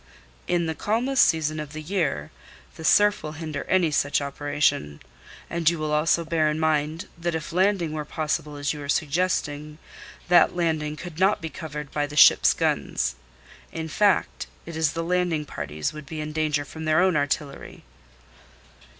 "In the calmest season of the year, the surf will hinder any such operation. And you will also bear in mind that if landing were possible as you are suggesting, that landing could not be covered by the ships' guns. In fact, it is the landing parties would be in danger from their own artillery."